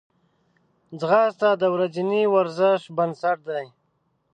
ځغاسته د ورځني ورزش بنسټ دی